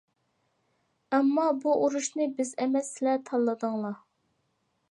ئەمما بۇ ئۇرۇشنى بىز ئەمەس، سىلەر تاللىدىڭلار.